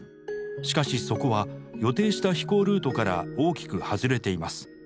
しかしそこは予定した飛行ルートから大きく外れています。